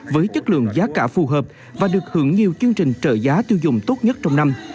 với chất lượng giá cả phù hợp và được hưởng nhiều chương trình trợ giá tiêu dùng tốt nhất trong năm